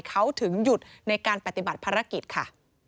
เขาถึงหยุดในการปฏิบัติภารกิจค่ะ